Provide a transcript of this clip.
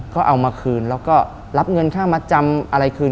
ก็เอามาคืนแล้วก็รับเงินค่ามาจำอะไรคืน